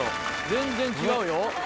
全然違うわ。